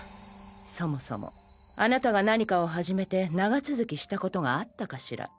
そもそもあなたが何かを始めて長続きしたことがあったかしら？